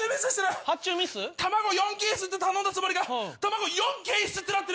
卵４ケースって頼んだつもりが「卵４京っす」ってなってる。